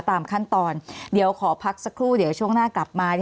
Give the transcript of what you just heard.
ตามขั้นตอนเดี๋ยวขอพักสักครู่เดี๋ยวช่วงหน้ากลับมา